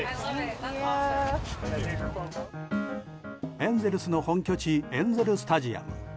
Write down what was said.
エンゼルスの本拠地エンゼル・スタジアム。